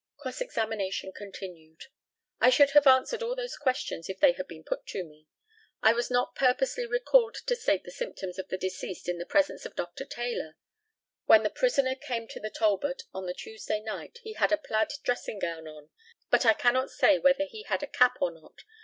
Cross examination continued: I should have answered all those questions if they had been put to me. I was not purposely recalled to state the symptoms of the deceased in the presence of Dr. Taylor. When the prisoner came to the Talbot on the Tuesday night he had a plaid dressing gown on, but I cannot say whether he had a cap or not.